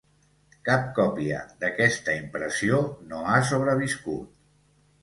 Cap còpia d'aquesta impressió no ha sobreviscut.